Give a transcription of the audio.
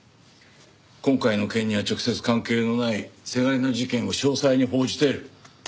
今回の件には直接関係のないせがれの事件を詳細に報じてる。